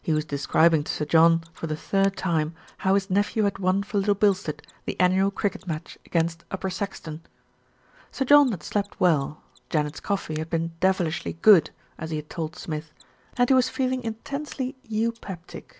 He was describing to Sir John for the third time how his nephew had won for Little Bilstead the annual cricket match against Upper Saxton. Sir John had slept well, Janet's coffee had been "devilishly good," as he had told Smith, and he was feeling intensely eupeptic.